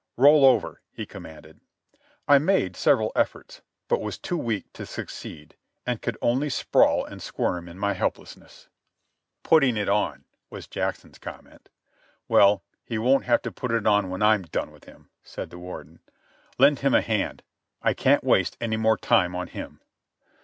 "Roll over," he commanded. I made several efforts, but was too weak to succeed, and could only sprawl and squirm in my helplessness. "Putting it on," was Jackson's comment. "Well, he won't have to put it on when I'm done with him," said the Warden. "Lend him a hand. I can't waste any more time on him."